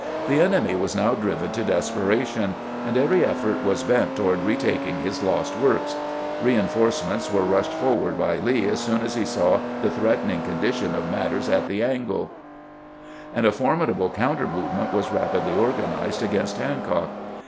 The enemy was now driven to desperation, and every effort was bent toward retaking his lost works. Reinforce ments were rushed forward by Lee as soon as he saw the threatening condition of matters at the " angle "; and a formidable counter movement was rapidly organ ized against Hancock.